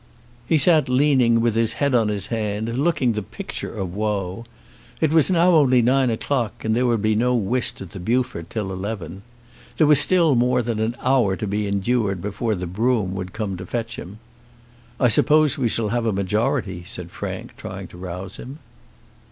He sat leaning with his head on his hand, looking the picture of woe. It was now only nine o'clock, and there would be no whist at the Beaufort till eleven. There was still more than an hour to be endured before the brougham would come to fetch him. "I suppose we shall have a majority," said Frank, trying to rouse him.